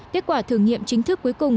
kết quả thử nghiệm chính thức cuối cùng